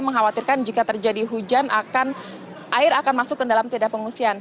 mengkhawatirkan jika terjadi hujan air akan masuk ke dalam tenda pengungsian